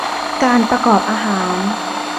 การประกอบอาหาร